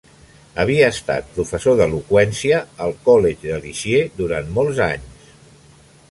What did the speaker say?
Havia estat professor d'eloqüència al Collège de Lisieux durant molts anys.